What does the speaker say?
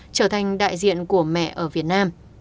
trở thành đại diện của mẹ ở việt nam